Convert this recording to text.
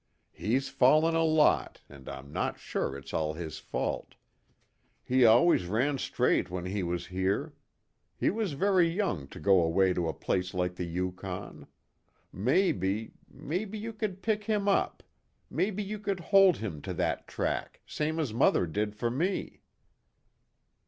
"He's fallen a lot, and I'm not sure it's all his fault. He always ran straight when he was here. He was very young to go away to a place like the Yukon. Maybe maybe you could pick him up; maybe you could hold him to that track, same as mother did for me?"